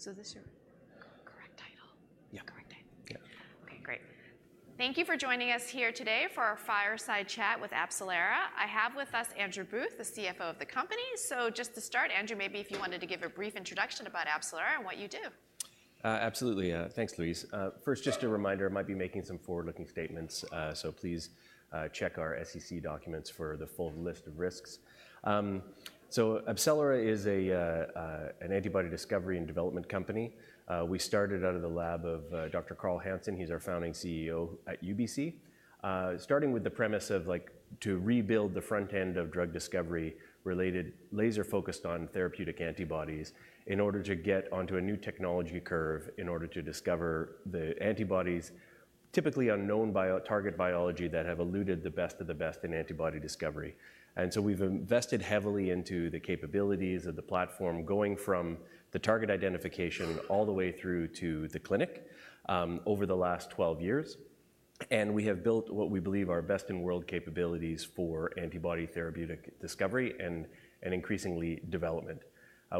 So this is your correct title? Yeah. Correct title. Yeah. Okay, great. Thank you for joining us here today for our fireside chat with AbCellera. I have with us Andrew Booth, the CFO of the company. So just to start, Andrew, maybe if you wanted to give a brief introduction about AbCellera and what you do. Absolutely. Thanks, Louise. First, just a reminder, I might be making some forward-looking statements, so please, check our SEC documents for the full list of risks. So AbCellera is an antibody discovery and development company. We started out of the lab of Dr. Carl Hansen, he's our founding CEO at UBC. Starting with the premise of like, to rebuild the front end of drug discovery related, laser-focused on therapeutic antibodies in order to get onto a new technology curve, in order to discover the antibodies, typically unknown biotarget biology that have eluded the best of the best in antibody discovery. And so we've invested heavily into the capabilities of the platform, going from the target identification all the way through to the clinic, over the last 12 years, and we have built what we believe are best-in-world capabilities for antibody therapeutic discovery and increasingly development.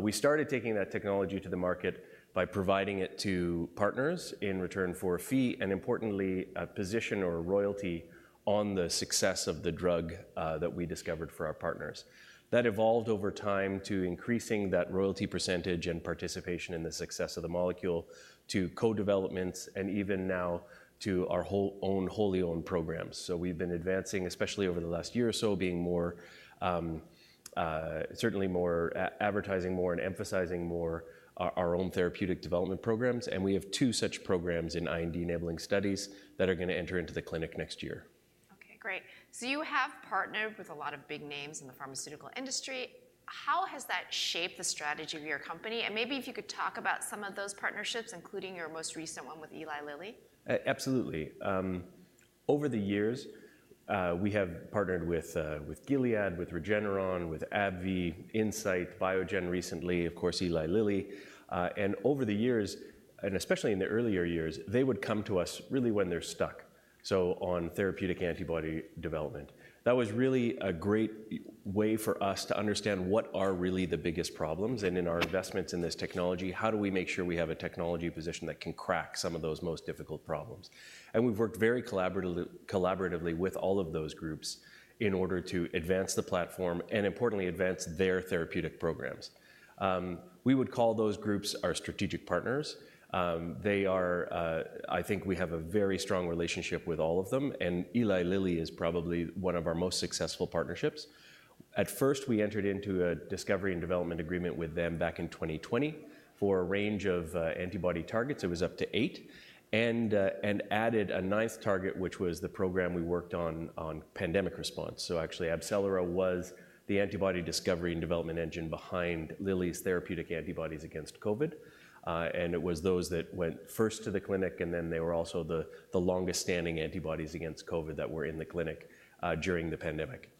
We started taking that technology to the market by providing it to partners in return for a fee, and importantly, a position or a royalty on the success of the drug, that we discovered for our partners. That evolved over time to increasing that royalty percentage and participation in the success of the molecule, to co-developments, and even now to our wholly owned programs. So we've been advancing, especially over the last year or so, being more, certainly more advertising more and emphasizing more our, our own therapeutic development programs, and we have two such programs in IND-enabling studies that are going to enter into the clinic next year. Okay, great. So you have partnered with a lot of big names in the pharmaceutical industry. How has that shaped the strategy of your company? And maybe if you could talk about some of those partnerships, including your most recent one with Eli Lilly? Absolutely. Over the years, we have partnered with Gilead, with Regeneron, with AbbVie, Incyte, Biogen recently, of course, Eli Lilly. And over the years, and especially in the earlier years, they would come to us really when they're stuck, so on therapeutic antibody development. That was really a great way for us to understand what are really the biggest problems, and in our investments in this technology, how do we make sure we have a technology position that can crack some of those most difficult problems? And we've worked very collaboratively with all of those groups in order to advance the platform, and importantly, advance their therapeutic programs. We would call those groups our strategic partners. They are... I think we have a very strong relationship with all of them, and Eli Lilly is probably one of our most successful partnerships. At first, we entered into a discovery and development agreement with them back in twenty twenty for a range of antibody targets. It was up to eight, and added a ninth target, which was the program we worked on pandemic response. So actually, AbCellera was the antibody discovery and development engine behind Lilly's therapeutic antibodies against COVID. And it was those that went first to the clinic, and then they were also the longest-standing antibodies against COVID that were in the clinic during the pandemic.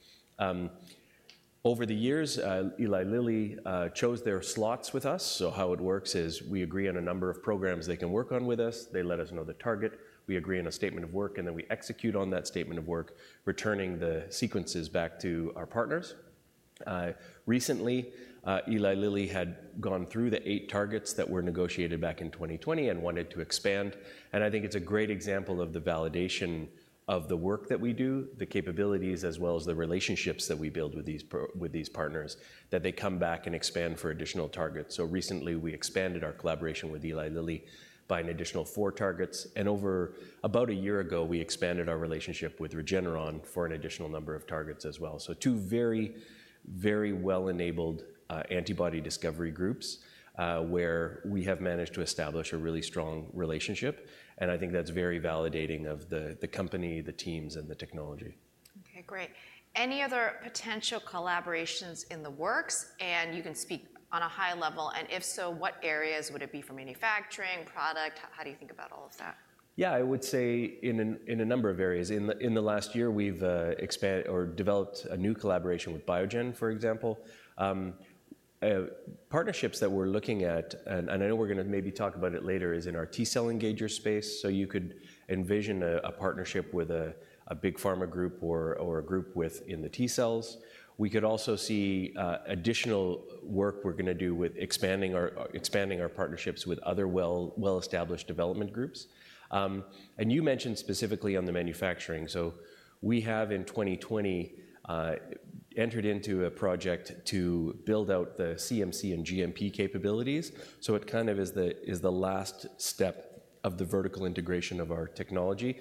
Over the years, Eli Lilly chose their slots with us. How it works is, we agree on a number of programs they can work on with us, they let us know the target, we agree on a statement of work, and then we execute on that statement of work, returning the sequences back to our partners. Recently, Eli Lilly had gone through the eight targets that were negotiated back in 2020 and wanted to expand, and I think it's a great example of the validation of the work that we do, the capabilities, as well as the relationships that we build with these partners, that they come back and expand for additional targets. Recently, we expanded our collaboration with Eli Lilly by an additional four targets. Over about a year ago, we expanded our relationship with Regeneron for an additional number of targets as well. So two very, very well-enabled antibody discovery groups where we have managed to establish a really strong relationship, and I think that's very validating of the company, the teams, and the technology. Okay, great. Any other potential collaborations in the works? And you can speak on a high level, and if so, what areas would it be for manufacturing, product? How do you think about all of that? Yeah, I would say in a number of areas. In the last year, we've developed a new collaboration with Biogen, for example. Partnerships that we're looking at, and I know we're gonna maybe talk about it later, is in our T-cell engager space. So you could envision a partnership with a big pharma group or a group within the T cells. We could also see additional work we're gonna do with expanding our partnerships with other well-established development groups. And you mentioned specifically on the manufacturing. So we have, in 2020, entered into a project to build out the CMC and GMP capabilities. So it kind of is the last step of the vertical integration of our technology.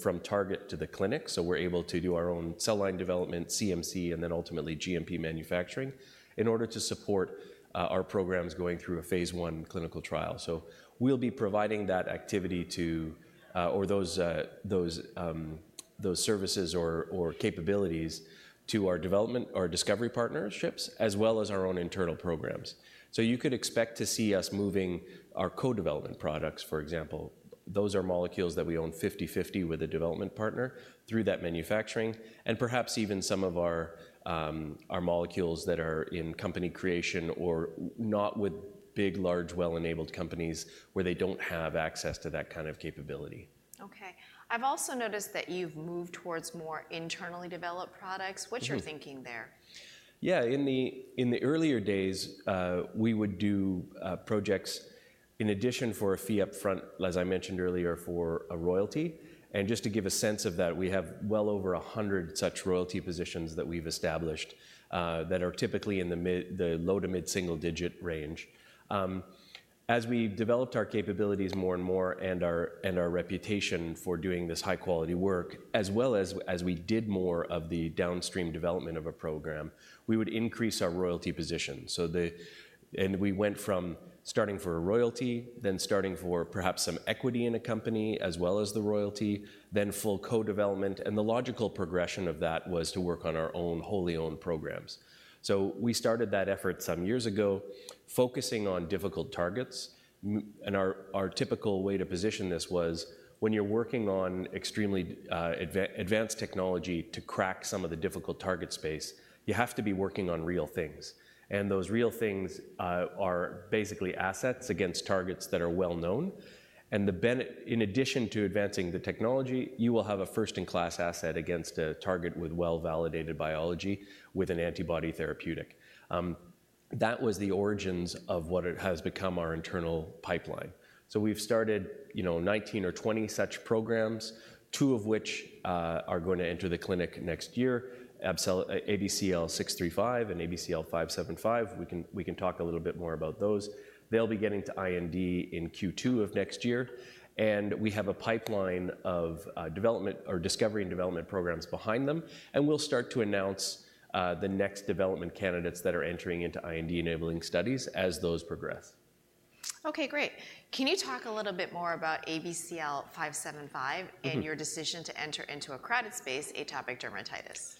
From target to the clinic, so we're able to do our own cell line development, CMC, and then ultimately GMP manufacturing, in order to support our programs going through a phase I clinical trial. We'll be providing that activity to those services or capabilities to our development or discovery partnerships, as well as our own internal programs. You could expect to see us moving our co-development products, for example, those are molecules that we own fifty-fifty with a development partner, through that manufacturing, and perhaps even some of our molecules that are in company creation or not with big, large, well-enabled companies where they don't have access to that kind of capability. Okay. I've also noticed that you've moved towards more internally developed products. Mm-hmm. What's your thinking there? Yeah, in the earlier days, we would do projects in addition for a fee up front, as I mentioned earlier, for a royalty. And just to give a sense of that, we have well over a hundred such royalty positions that we've established, that are typically in the low to mid-single digit range. As we developed our capabilities more and more, and our reputation for doing this high-quality work, as well as we did more of the downstream development of a program, we would increase our royalty position. And we went from starting for a royalty, then starting for perhaps some equity in a company, as well as the royalty, then full co-development, and the logical progression of that was to work on our own wholly owned programs. We started that effort some years ago, focusing on difficult targets. And our typical way to position this was, when you're working on extremely advanced technology to crack some of the difficult target space, you have to be working on real things. And those real things are basically assets against targets that are well known. And in addition to advancing the technology, you will have a first-in-class asset against a target with well-validated biology, with an antibody therapeutic. That was the origins of what it has become our internal pipeline. We've started, you know, 19 or 20 such programs, two of which are going to enter the clinic next year: ABCL-635 and ABCL-575. We can talk a little bit more about those. They'll be getting to IND in Q2 of next year, and we have a pipeline of development or discovery and development programs behind them, and we'll start to announce the next development candidates that are entering into IND-enabling studies as those progress. Okay, great. Can you talk a little bit more about ABCL-575? Mm-hmm And your decision to enter into a crowded space, atopic dermatitis?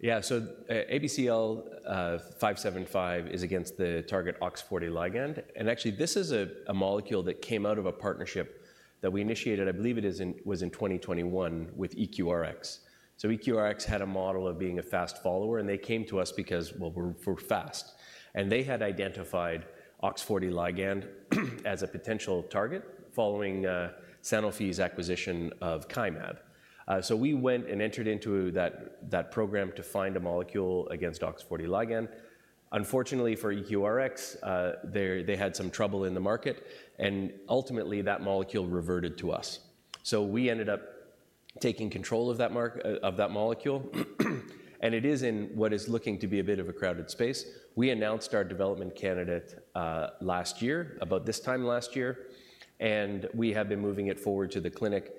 Yeah. So, ABCL-575 is against the target OX40 ligand, and actually, this is a molecule that came out of a partnership that we initiated, I believe it was in 2021 with EQRx. So EQRx had a model of being a fast follower, and they came to us because, well, we're fast. And they had identified OX40 ligand as a potential target following Sanofi's acquisition of Kymab. So we went and entered into that program to find a molecule against OX40 ligand. Unfortunately for EQRx, they had some trouble in the market, and ultimately, that molecule reverted to us. So we ended up taking control of that molecule. And it is in what is looking to be a bit of a crowded space. We announced our development candidate last year, about this time last year, and we have been moving it forward to the clinic,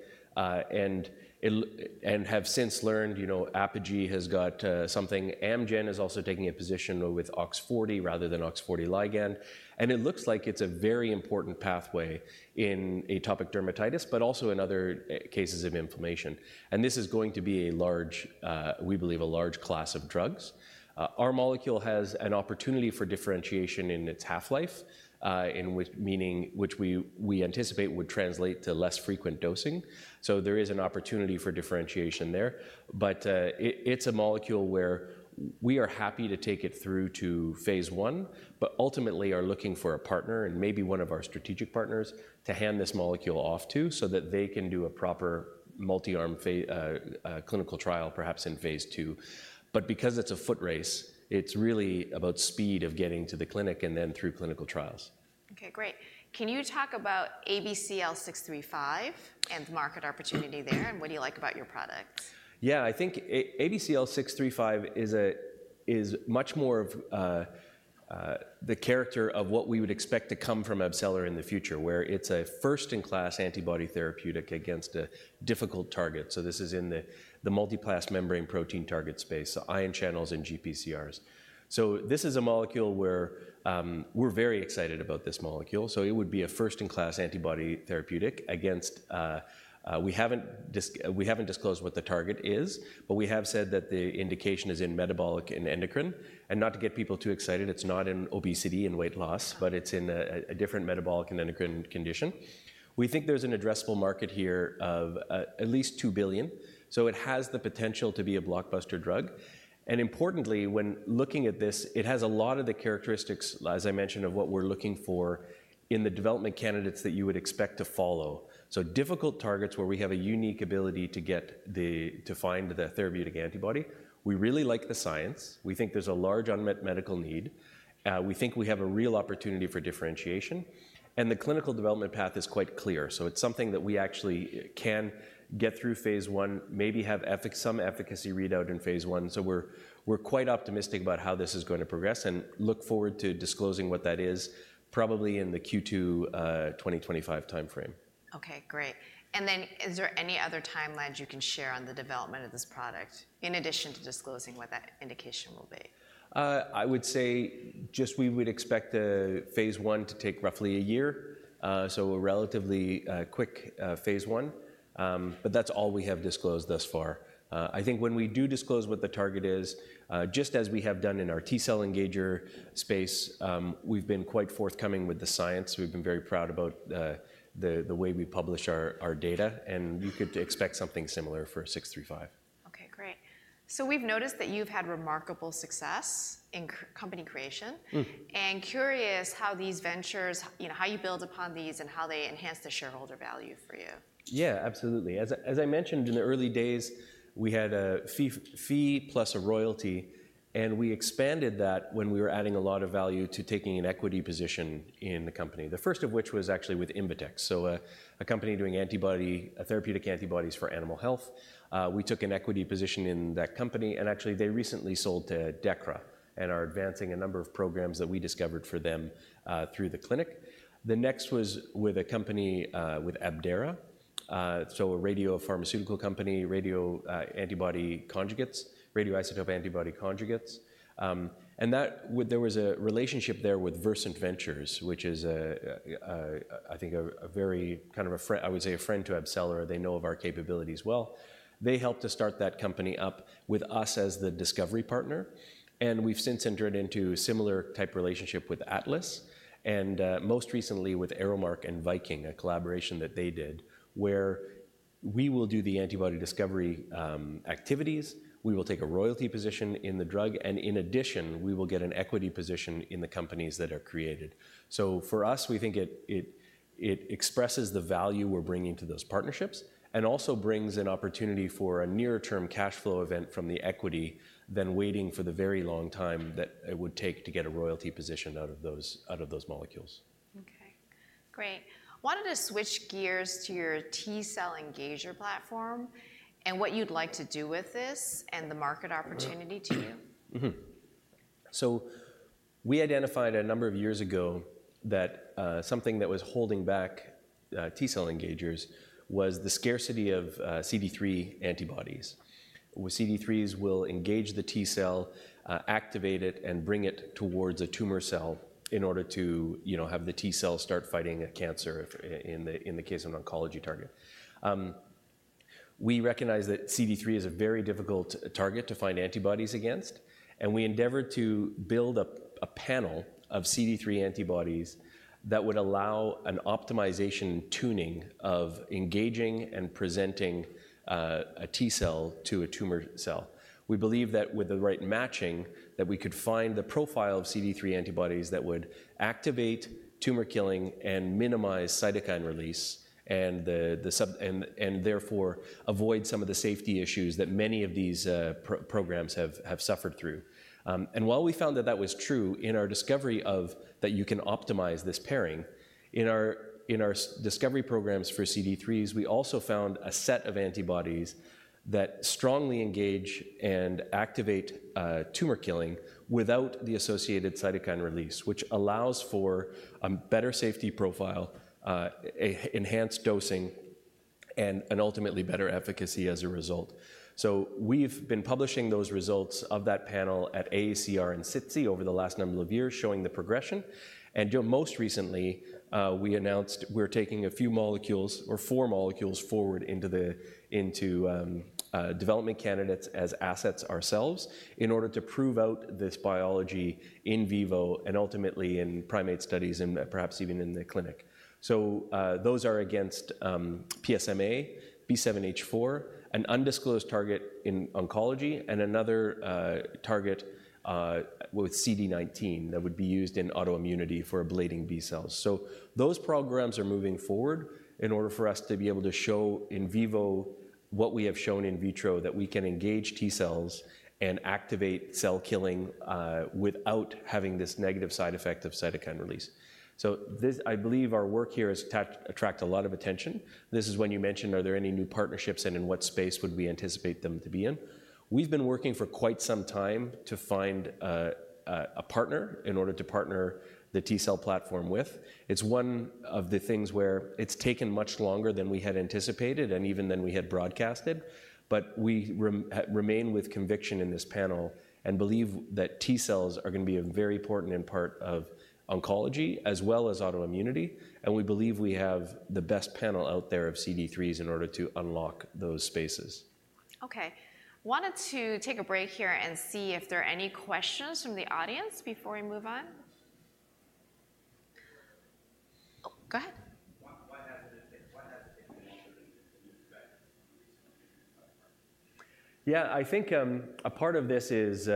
and have since learned, you know, Apogee has got something. Amgen is also taking a position with OX40 rather than OX40 ligand. And it looks like it's a very important pathway in atopic dermatitis, but also in other cases of inflammation. And this is going to be a large, we believe, a large class of drugs. Our molecule has an opportunity for differentiation in its half-life, in which meaning, which we, we anticipate would translate to less frequent dosing. So there is an opportunity for differentiation there. It's a molecule where we are happy to take it through to phase one, but ultimately are looking for a partner, and maybe one of our strategic partners, to hand this molecule off to so that they can do a proper multi-arm clinical trial, perhaps in phase two. Because it's a foot race, it's really about speed of getting to the clinic and then through clinical trials. Okay, great. Can you talk about ABCL-635 and the market opportunity there, and what do you like about your product? Yeah. I think ABCL-635 is much more of the character of what we would expect to come from AbCellera in the future, where it's a first-in-class antibody therapeutic against a difficult target. So this is in the multi-pass membrane protein target space, so ion channels and GPCRs. So this is a molecule where we're very excited about this molecule, so it would be a first-in-class antibody therapeutic against. We haven't disclosed what the target is, but we have said that the indication is in metabolic and endocrine. And not to get people too excited, it's not in obesity and weight loss, but it's in a different metabolic and endocrine condition. We think there's an addressable market here of at least $2 billion, so it has the potential to be a blockbuster drug. Importantly, when looking at this, it has a lot of the characteristics, as I mentioned, of what we're looking for in the development candidates that you would expect to follow. Difficult targets where we have a unique ability to find the therapeutic antibody. We really like the science. We think there's a large unmet medical need. We think we have a real opportunity for differentiation, and the clinical development path is quite clear. It's something that we actually can get through phase one, maybe have some efficacy readout in phase one. We're quite optimistic about how this is going to progress and look forward to disclosing what that is, probably in the Q2 2025 timeframe. Okay, great, and then, is there any other timelines you can share on the development of this product, in addition to disclosing what that indication will be? I would say just we would expect the phase one to take roughly a year, so a relatively quick phase one, but that's all we have disclosed thus far. I think when we do disclose what the target is, just as we have done in our T-cell engager space, we've been quite forthcoming with the science. We've been very proud about the way we publish our data, and you could expect something similar for 635. Okay, great. So we've noticed that you've had remarkable success in company creation. Mm. Curious how these ventures, you know, how you build upon these and how they enhance the shareholder value for you? Yeah, absolutely. As I mentioned, in the early days, we had a fee plus a royalty, and we expanded that when we were adding a lot of value to taking an equity position in the company. The first of which was actually with Invetx. So, a company doing antibody therapeutic antibodies for animal health. We took an equity position in that company, and actually, they recently sold to Dechra, and are advancing a number of programs that we discovered for them through the clinic. The next was with a company with Abdera. So, a radiopharmaceutical company, radio antibody conjugates, radioisotope antibody conjugates. And that. Well, there was a relationship there with Versant Ventures, which is, I think, a very kind of a friend. I would say a friend to AbCellera. They know of our capabilities well. They helped to start that company up with us as the discovery partner, and we've since entered into a similar type relationship with Atlas, and most recently with ArrowMark and Viking, a collaboration that they did, where we will do the antibody discovery activities, we will take a royalty position in the drug, and in addition, we will get an equity position in the companies that are created. So for us, we think it expresses the value we're bringing to those partnerships, and also brings an opportunity for a near-term cash flow event from the equity than waiting for the very long time that it would take to get a royalty position out of those molecules. Okay, great. Wanted to switch gears to your T-cell engager platform, and what you'd like to do with this, and the market opportunity to you. Mm-hmm. So we identified a number of years ago that something that was holding back T cell engagers was the scarcity of CD3 antibodies. With CD3s, we'll engage the T cell, activate it, and bring it towards a tumor cell in order to, you know, have the T cell start fighting a cancer in the case of an oncology target. We recognize that CD3 is a very difficult target to find antibodies against, and we endeavored to build up a panel of CD3 antibodies that would allow an optimization tuning of engaging and presenting a T cell to a tumor cell. We believe that with the right matching, that we could find the profile of CD3 antibodies that would activate tumor killing and minimize cytokine release, and therefore avoid some of the safety issues that many of these programs have suffered through. And while we found that that was true in our discovery of that you can optimize this pairing, in our discovery programs for CD3s, we also found a set of antibodies that strongly engage and activate tumor killing without the associated cytokine release, which allows for better safety profile, an enhanced dosing and ultimately better efficacy as a result. So we've been publishing those results of that panel at AACR and SITC over the last number of years, showing the progression. You know, most recently, we announced we're taking a few molecules or four molecules forward into the development candidates as assets ourselves, in order to prove out this biology in vivo and ultimately in primate studies and perhaps even in the clinic. So, those are against PSMA, B7-H4, an undisclosed target in oncology, and another target with CD19 that would be used in autoimmunity for ablating B cells. So those programs are moving forward in order for us to be able to show in vivo what we have shown in vitro, that we can engage T cells and activate cell killing without having this negative side effect of cytokine release. So this. I believe our work here has attracted a lot of attention. This is when you mentioned, are there any new partnerships, and in what space would we anticipate them to be in? We've been working for quite some time to find a partner in order to partner the T cell platform with. It's one of the things where it's taken much longer than we had anticipated and even than we had broadcasted, but we remain with conviction in this panel and believe that T cells are going to be a very important part of oncology, as well as autoimmunity, and we believe we have the best panel out there of CD3s in order to unlock those spaces. Okay. Wanted to take a break here and see if there are any questions from the audience before we move on. Oh, go ahead. Why hasn't it been issued yet? Yeah, I think a part of this is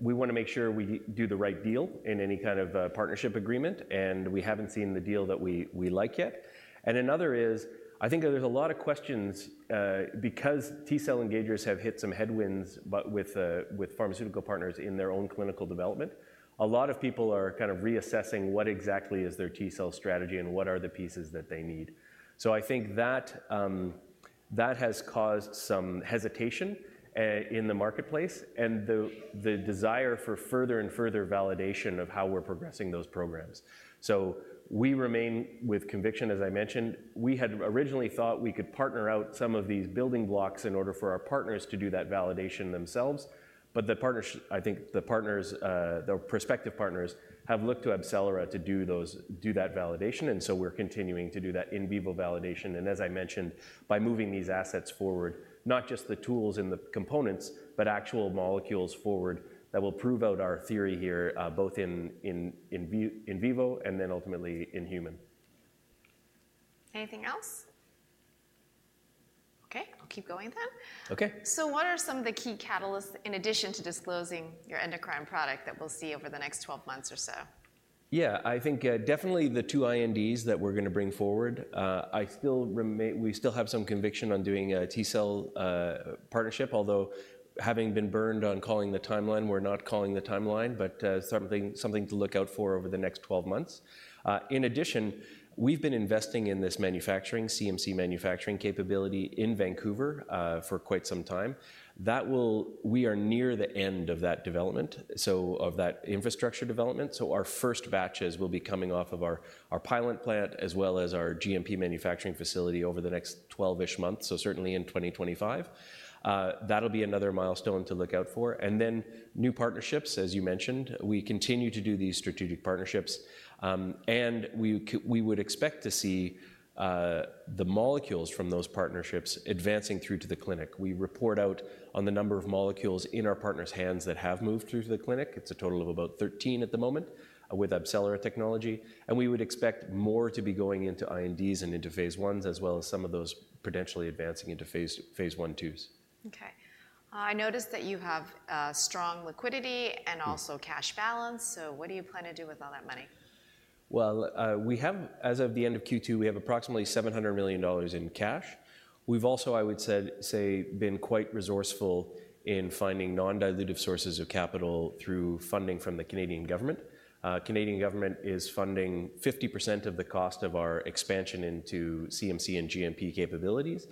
we wanna make sure we do the right deal in any kind of partnership agreement, and we haven't seen the deal that we like yet. And another is, I think there's a lot of questions because T cell engagers have hit some headwinds, but with pharmaceutical partners in their own clinical development, a lot of people are kind of reassessing what exactly is their T cell strategy and what are the pieces that they need. So I think that has caused some hesitation in the marketplace and the desire for further and further validation of how we're progressing those programs. So we remain with conviction as I mentioned. We had originally thought we could partner out some of these building blocks in order for our partners to do that validation themselves, but I think the partners, the prospective partners, have looked to AbCellera to do that validation, and so we're continuing to do that in vivo validation, and as I mentioned, by moving these assets forward, not just the tools and the components, but actual molecules forward, that will prove out our theory here, both in vivo and then ultimately in human. Anything else? Okay, I'll keep going then. Okay. So what are some of the key catalysts, in addition to disclosing your endocrine product, that we'll see over the next 12 months or so? Yeah, I think, definitely the two INDs that we're going to bring forward. We still have some conviction on doing a T-cell partnership, although having been burned on calling the timeline, we're not calling the timeline, but, something to look out for over the next twelve months. In addition, we've been investing in this manufacturing, CMC manufacturing capability in Vancouver, for quite some time. We are near the end of that development, so of that infrastructure development. So our first batches will be coming off of our pilot plant, as well as our GMP manufacturing facility over the next twelve-ish months, so certainly in twenty twenty-five. That'll be another milestone to look out for. And then new partnerships, as you mentioned, we continue to do these strategic partnerships, and we would expect to see the molecules from those partnerships advancing through to the clinic. We report out on the number of molecules in our partners' hands that have moved through to the clinic. It's a total of about 13 at the moment with AbCellera technology, and we would expect more to be going into INDs and into phase I's, as well as some of those potentially advancing into phase I/II's. Okay. I noticed that you have strong liquidity- Mm. And also cash balance, so what do you plan to do with all that money? Well, we have, as of the end of Q2, approximately $700 million in cash. We have also, I would say, been quite resourceful in finding non-dilutive sources of capital through funding from the Government of Canada. The Government of Canada is funding 50% of the cost of our expansion into CMC and GMP capabilities,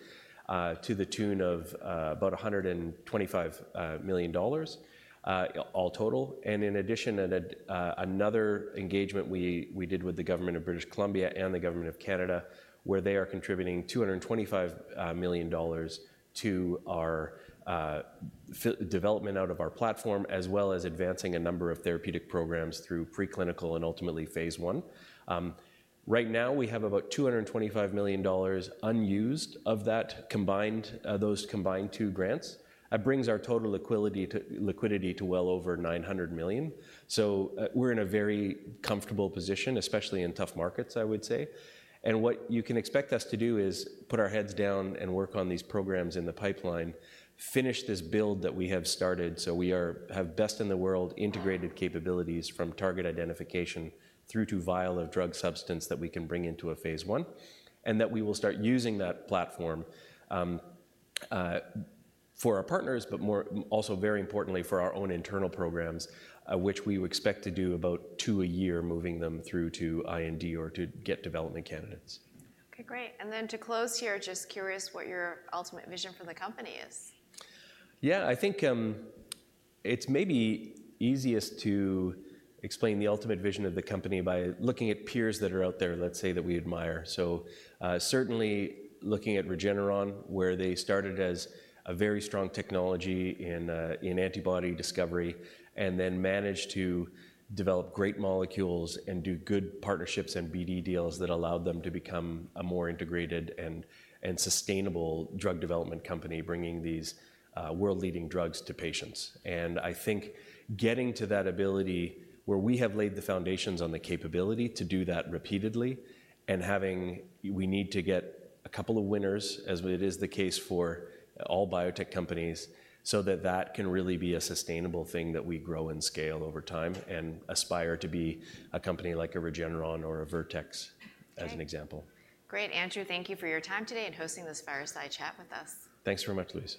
to the tune of about $125 million, all total. In addition, another engagement we did with the government of British Columbia and the Government of Canada, where they are contributing $225 million to our development out of our platform, as well as advancing a number of therapeutic programs through preclinical and ultimately phase I. Right now, we have about $225 million unused, of that combined, those combined two grants. That brings our total liquidity to well over $900 million. So, we're in a very comfortable position, especially in tough markets, I would say. What you can expect us to do is put our heads down and work on these programs in the pipeline, finish this build that we have started, so we have best in the world integrated capabilities from target identification through to vial of drug substance that we can bring into a phase I, and that we will start using that platform for our partners, but more, also very importantly, for our own internal programs, which we expect to do about two a year, moving them through to IND or to get development candidates. Okay, great. And then to close here, just curious what your ultimate vision for the company is? Yeah, I think, it's maybe easiest to explain the ultimate vision of the company by looking at peers that are out there, let's say, that we admire. So, certainly looking at Regeneron, where they started as a very strong technology in, in antibody discovery and then managed to develop great molecules and do good partnerships and BD deals that allowed them to become a more integrated and, and sustainable drug development company, bringing these, world-leading drugs to patients. And I think getting to that ability, where we have laid the foundations on the capability to do that repeatedly and having. We need to get a couple of winners, as it is the case for all biotech companies, so that that can really be a sustainable thing that we grow and scale over time and aspire to be a company like a Regeneron or a Vertex- Okay. As an example. Great, Andrew, thank you for your time today and hosting this Fireside Chat with us. Thanks very much, Louise.